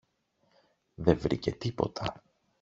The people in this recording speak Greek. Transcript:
δε βρήκε τίποτα.